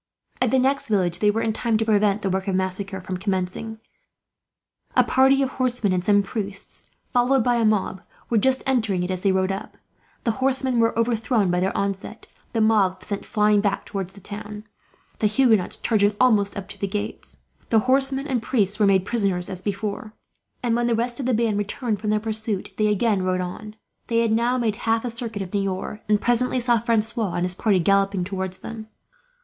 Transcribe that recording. At the next village they were in time to prevent the work of massacre from commencing. A party of horsemen and some priests, followed by a mob, were just entering it as they rode up. The horsemen were overthrown by their onset, the mob sent flying back towards the town, the Huguenots charging almost up to the gates. The horsemen and priests were made prisoners, as before; and when the rest of the band returned from their pursuit, they again rode on. They had now made half a circuit of Niort, and presently saw Francois and his party, galloping towards them.